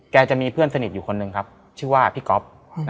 จะมีเพื่อนสนิทอยู่คนหนึ่งครับชื่อว่าพี่ก๊อฟ